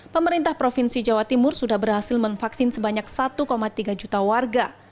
pemerintah provinsi jawa timur sudah berhasil menvaksin sebanyak satu tiga juta warga